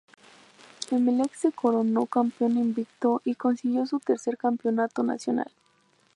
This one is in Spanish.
Emelec se coronó campeón invicto, y consiguió su tercer campeonato nacional.